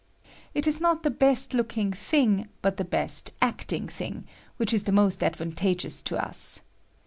It is BOt the best looking thing, but the beat acting thing, which is the most advantageous to us.